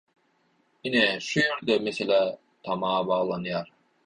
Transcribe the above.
Ine şu ýerde mesele tama baglanýar.